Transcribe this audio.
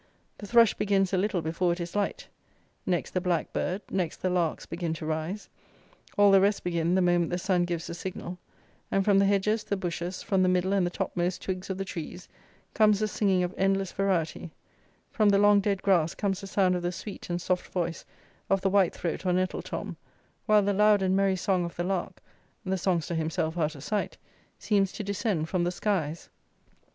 The thrush begins a little before it is light; next the black bird; next the larks begin to rise; all the rest begin the moment the sun gives the signal; and, from the hedges, the bushes, from the middle and the topmost twigs of the trees, comes the singing of endless variety; from the long dead grass comes the sound of the sweet and soft voice of the white throat or nettle tom, while the loud and merry song of the lark (the songster himself out of sight) seems to descend from the skies.